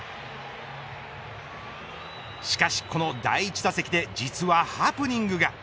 しかし、この第１打席で実はハプニングが。